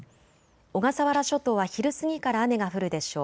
小笠原諸島は昼過ぎから雨が降るでしょう。